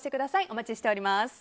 お待ちしております。